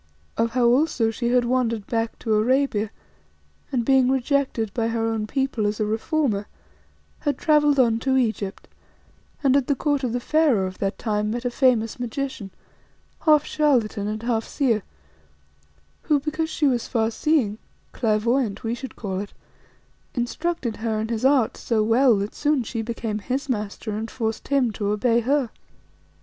Of how also she had wandered back to Arabia and, being rejected by her own people as a reformer, had travelled on to Egypt, and at the court of the Pharaoh of that time met a famous magician, half charlatan and half seer who, because she was far seeing, 'clairvoyante' we should call it, instructed her in his art so well that soon she became his master and forced him to obey her.